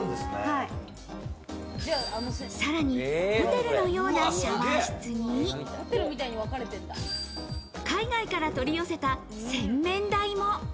さらにホテルのようなシャワー室に、海外から取り寄せた洗面台も。